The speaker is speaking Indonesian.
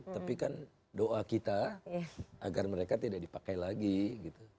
tapi kan doa kita agar mereka tidak dipakai lagi gitu